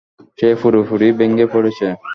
সে পুরোপুরি ভেঙে পড়েছে।